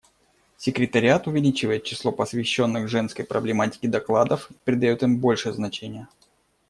Секретариат увеличивает число посвященных женской проблематике докладов и придает им больше значения.